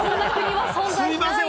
すいません。